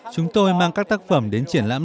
chúng tôi mang các tác phẩm đến triển lãm